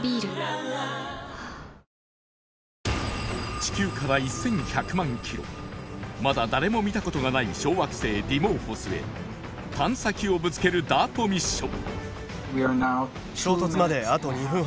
地球から１１００万ｋｍまだ誰も見たことがない小惑星ディモーフォスへ探査機をぶつけるＤＡＲＴミッション